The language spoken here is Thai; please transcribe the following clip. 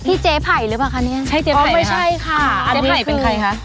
พี่เจ๊ไผ่หรือเปล่าคะเนี่ยอ๋อไม่ใช่ค่ะอันนี้คืออ๋อเจ๊ไผ่เป็นใครคะ